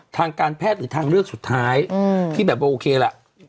ทางการแพทย์หรือทางเลือกสุดท้ายที่แบบว่าโอเคล่ะ